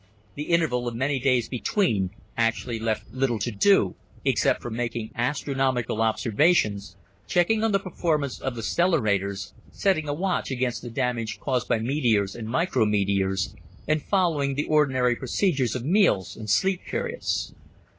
The interval of many days between actually left little to do, except for making astronomical observations, checking on the performance of the stellarators, setting a watch against the damage caused by meteors and micro meteors, and following the ordinary procedures of meals and sleep periods.